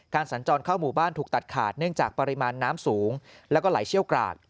สัญจรเข้าหมู่บ้านถูกตัดขาดเนื่องจากปริมาณน้ำสูงแล้วก็ไหลเชี่ยวกราด